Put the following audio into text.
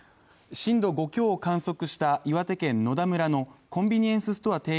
震度５強を観測した岩手県野田村のコンビニエンスストア